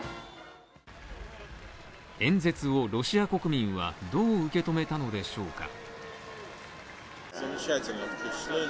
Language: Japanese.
演説を、ロシア国民はどう受け止めたのでしょうか。